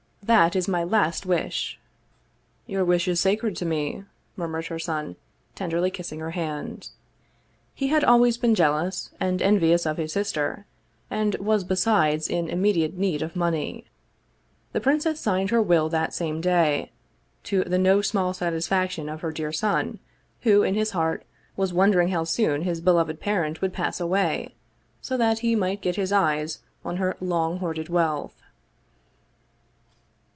That is my last wish!" " Your wish is sacred to me," murmured her son, ten derly kissing her hand. He had always been jealous and 182 Vsevokd Vladimir ovitch Krestovski envious of his sister, and was besides in immediate need of money. The princess signed her will that same day, to the no small satisfaction of her dear son, who, in his heart, was wondering how soon his beloved parent would pass away, so that he might get his eyes on her long hoarded wealth.